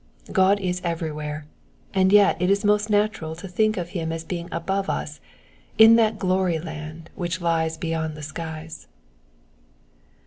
God is everywhere, and yet it is most natural to think of him as being above us, in that glory land which lies beyond the skies.